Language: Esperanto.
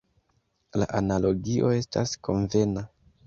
La analogio estas konvena.